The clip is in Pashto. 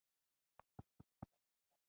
په دې لویه وچه کې د څرخ ټرانسپورت دود نه وو.